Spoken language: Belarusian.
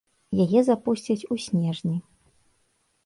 Яе запусцяць у снежні.